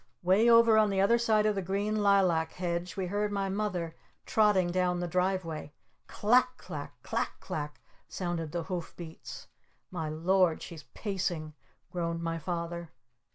Way over on the other side of the green lilac hedge we heard my Mother trotting down the driveway. Clack clack clack clack sounded the hoof beats! "My Lord she's pacing!" groaned my Father.